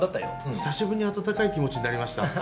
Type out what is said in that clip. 久しぶりに温かい気持ちになりました。